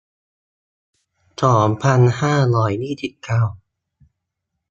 สองพันห้าร้อยยี่สิบเก้า